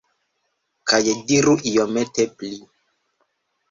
Kaj diru iomete pli